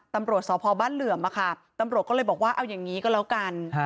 ตำรวจสพบ้านเหลื่อมตำรวจก็เลยบอกว่าเอาอย่างนี้ก็แล้วกัน